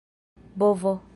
bovo